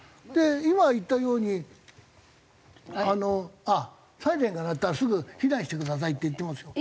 今言ったようにあの「サイレンが鳴ったらすぐ避難してください」って言ってますよ。